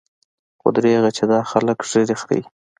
خو درېغه چې دا خلق ږيرې خريي.